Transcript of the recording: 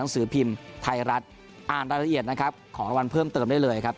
สือพิมพ์ไทยรัฐอ่านรายละเอียดนะครับของรางวัลเพิ่มเติมได้เลยครับ